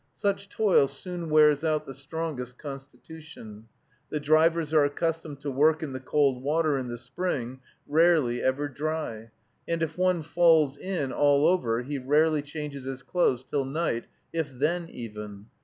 Such toil soon wears out the strongest constitution. The drivers are accustomed to work in the cold water in the spring, rarely ever dry; and if one falls in all over he rarely changes his clothes till night, if then, even.